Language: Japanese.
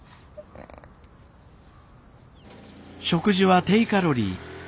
食事は低カロリー